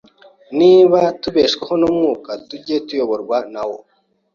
Niba tubeshwaho n'Umwuka, tujye tuyoborwa na wo